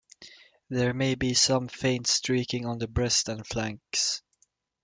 There may be some faint streaking on the breast and flanks.